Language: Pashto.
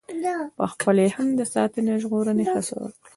پخپله یې هم د ساتنې او ژغورنې هڅه وکړي.